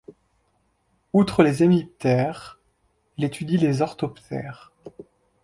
Outre les hémiptères, il étudie les orthoptères.